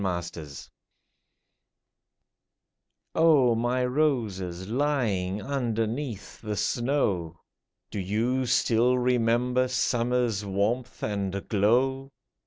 WINTER O MY roses, lying underneath the snow ! Do you still remember summer's warmth and glow